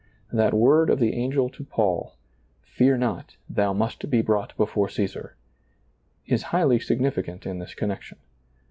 That word of the angel to Paul, " Fear not ; thou must be brought before Ciesar," is highly signifi cant in this connection.